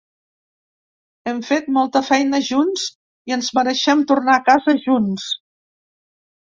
Hem fet molta feina junts i ens mereixem tornar a casa junts.